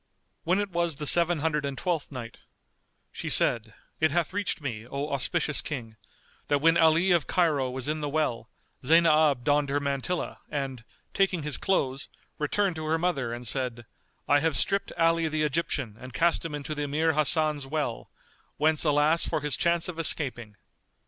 When is was the Seven Hundred and Twelfth Night, She said, It hath reached me, O auspicious King, that when Ali of Cairo was in the well, Zaynab donned her mantilla and, taking his clothes, returned to her mother and said, "I have stripped Ali the Egyptian and cast him into the Emir Hasan's well, whence alas for his chance of escaping!"